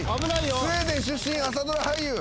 スウェーデン出身朝ドラ俳優！